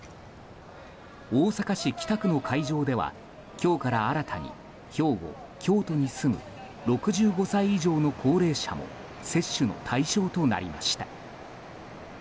大阪市北区の会場では今日から新たに兵庫、京都に住む６５歳以上の高齢者も接種の対象となりました。